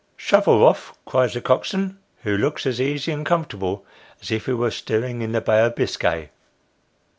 " Shove her off !" cries the cockswain, who looks as easy and comfortable as if he were steering in the Bay of Biscay.